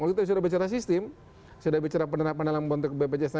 kalau kita sudah bicara sistem sudah bicara penerapan dalam bentuk bpjs